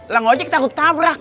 lah ngajak takut ketabrak